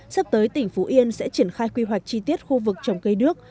sắp tới tỉnh phú yên sẽ triển khai quy hoạch chi tiết khu vực trồng cây nước